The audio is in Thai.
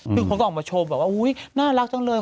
คือคนก็ออกมาชมแบบว่าน่ารักจังเลย